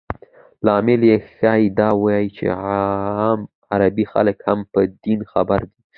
لامل یې ښایي دا وي چې عام عرب خلک هم په دین خبر دي.